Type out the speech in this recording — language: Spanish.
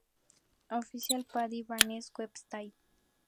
Official Paddy Barnes website